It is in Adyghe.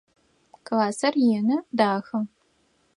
Классыр ины, дахэ.